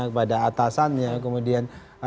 kepada atasannya kemudian